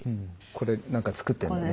これなんか作ってるんだね。